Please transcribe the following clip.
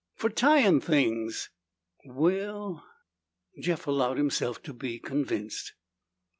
"Fer tyin' things." "Well " Jeff allowed himself to be convinced.